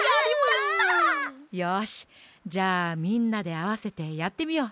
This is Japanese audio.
じゃあみんなであわせてやってみよう。